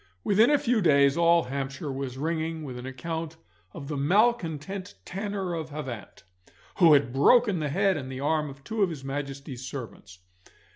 Within a few days all Hampshire was ringing with an account of the malcontent tanner of Havant, who had broken the head and the arm of two of his Majesty's servants.